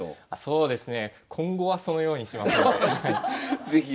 そうですね。